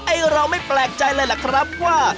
เราไม่แปลกใจเลยล่ะครับว่า